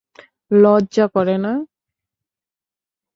লজ্জা করে না?